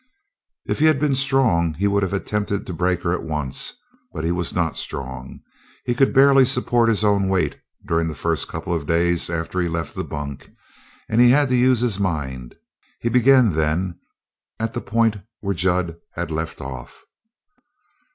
If he had been strong he would have attempted to break her at once, but he was not strong. He could barely support his own weight during the first couple of days after he left the bunk, and he had to use his mind. He began, then, at the point where Jud had left off.